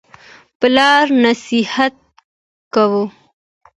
پلار نصیحت کاوه.